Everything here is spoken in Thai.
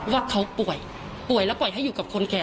ว่าเขาป่วยป่วยแล้วปล่อยให้อยู่กับคนแก่